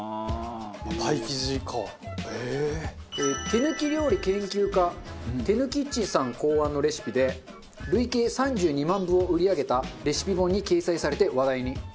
てぬき料理研究家てぬキッチンさん考案のレシピで累計３２万部を売り上げたレシピ本に掲載されて話題に。